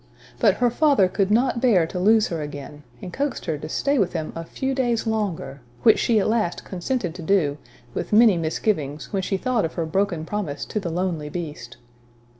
But her father could not bear to lose her again, and coaxed her to stay with him a few days longer; which she at last consented to do, with many misgivings, when she thought of her broken promise to the lonely beast.